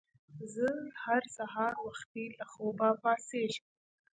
زه هر سهار وختي له خوبه پاڅیږم.